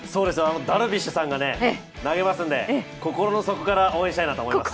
ダルビッシュさんが投げますので、心の底から応援したいなと思います。